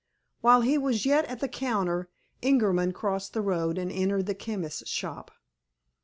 While he was yet at the counter, Ingerman crossed the road and entered the chemist's shop.